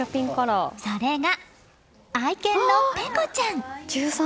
それが、愛犬のペコちゃん！